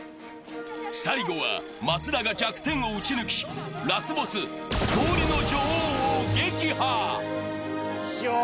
最後は松田が弱点を撃ち抜きラスボス氷の女王を撃破ちきしょう